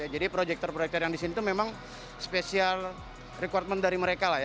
jadi proyektor proyektor yang di sini memang special requirement dari mereka